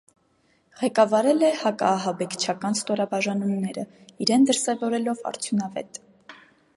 Ղեկավարել է հակաահաբեկչական ստորաբաժանումները՝ իրեն դրսևորելով արդյունավետ։